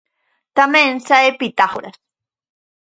Tamén sae Pitágoras.